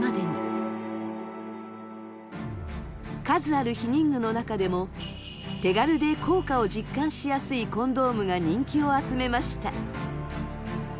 数ある避妊具の中でも手軽で効果を実感しやすいコンドームが人気を集めました。